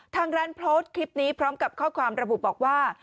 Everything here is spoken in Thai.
ทางร้านโพสต์คลิปนี้พร้อมกับข้อความระบุบอกว่า